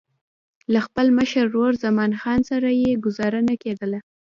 له خپل مشر ورور زمان خان سره یې ګوزاره نه کېدله.